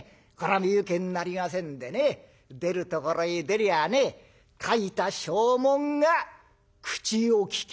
身請けになりませんでね出るところへ出りゃあね書いた証文が口を利きますよ。